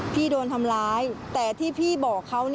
พี่โดนทำร้ายแต่ที่พี่บอกเขา